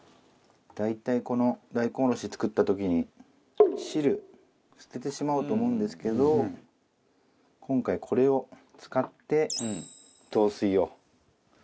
大体大根おろし作った時に汁捨ててしまうと思うんですけど今回これを使って雑炊を。